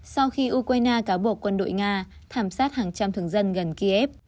sau khi ukraine cáo buộc quân đội nga thảm sát hàng trăm thường dân gần kiev